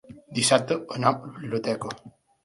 Dissabte anam a la biblioteca.